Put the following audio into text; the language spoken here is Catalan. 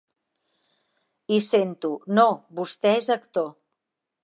I sento: "No, vostè és actor".